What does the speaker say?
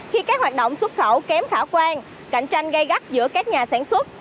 khi các hoạt động xuất khẩu kém khả quan cạnh tranh gây gắt giữa các nhà sản xuất